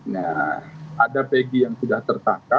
nah ada pegi yang sudah terima